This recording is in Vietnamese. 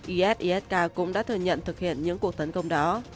is isk cũng đã thừa nhận thực hiện những cuộc tấn công đó